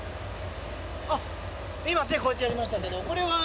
あっ今手こうやってやりましたけどこれは誰に向けて？